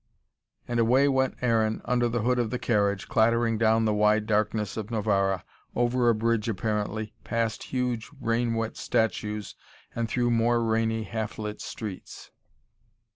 And away went Aaron, under the hood of the carriage, clattering down the wide darkness of Novara, over a bridge apparently, past huge rain wet statues, and through more rainy, half lit streets.